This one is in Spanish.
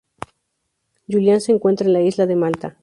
Julian se encuentra en la isla de Malta.